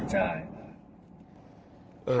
ใช่